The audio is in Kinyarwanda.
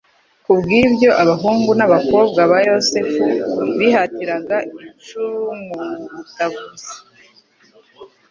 Kubw'ibyo, abahurugu n'abakobwa ba Yosefu bihatiraga icumubutabuza